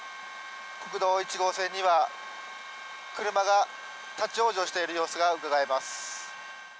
国道１号線には、車が立往生している様子がうかがえます。